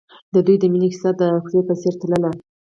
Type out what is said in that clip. د دوی د مینې کیسه د کوڅه په څېر تلله.